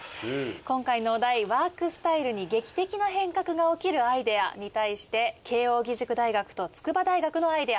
今回のお題ワークスタイルに劇的な変革が起きるアイデアに対して慶応義塾大学と筑波大学のアイデア。